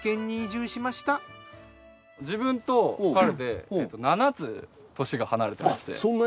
自分と彼で７つ歳が離れてるんで。